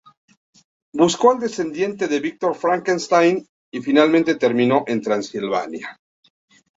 Buscó al descendiente de Victor Frankenstein y finalmente terminó en Transilvania.